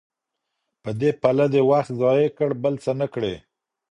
په دې پله دي وخت ضایع کړ بل څه نه کړې